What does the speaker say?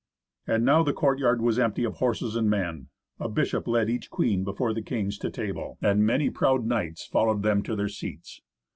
And now the courtyard was empty of horses and men. A bishop led each queen before the kings to table, and many proud knights followed them to their seats.